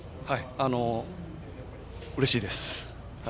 うれしいです。